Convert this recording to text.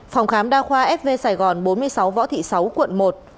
phòng khám đa khoa fv sài gòn bốn mươi sáu võ thị sáu quận một